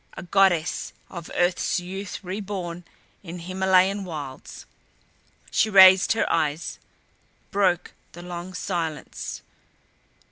A goddess of earth's youth reborn in Himalayan wilds. She raised her eyes; broke the long silence.